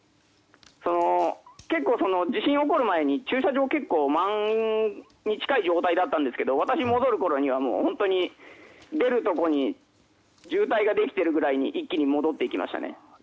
結構、地震が起こる前に駐車場が満車に近い状態だったんですが私が戻るころには出るところに渋滞ができているくらいに一気に戻っていきましたね。